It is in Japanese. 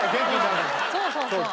そうそうそう。